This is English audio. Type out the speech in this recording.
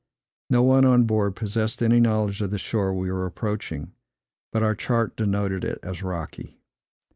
No one on board possessed any knowledge of the shore we were approaching; but our chart denoted it as rocky.